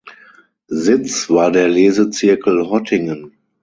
Sitz war der Lesezirkel Hottingen.